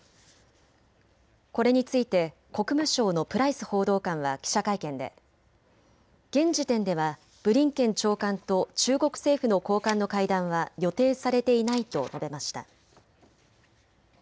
これについて国務省のプライス報道官は記者会見で現時点ではブリンケン長官と中国政府の高官の会談は予定されていないと述べました。